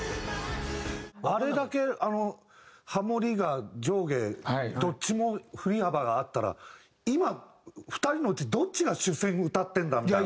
あれだけあのハモリが上下どっちも振り幅があったら今２人のうちどっちが主旋歌ってるんだ？みたいな。